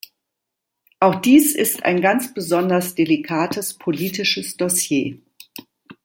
Auch dies ist ein ganz besonders delikates politisches Dossier.